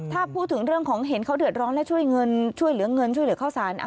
ถ้าพูดถึงเรื่องของเห็นเขาเดือดร้อนและช่วยเงินช่วยเหลือเงินช่วยเหลือข้าวสาร